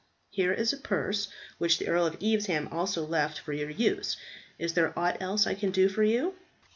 Here is a purse which the Earl of Evesham also left for your use. Is there aught else I can do for you?"